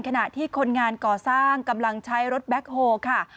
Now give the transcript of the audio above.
ขณะที่คนงานก่อสร้างกำลังใช้รถแบ็คโฮลค่ะ